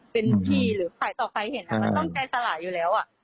เป็นพี่หรือต่อไปเห็นต้องแก้สลายอยู่แล้ว